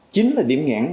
chính là điểm ngãn